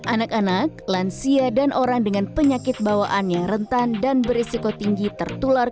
anak anak lansia dan orang dengan penyakit bawaan yang rentan dan berisiko tinggi tertular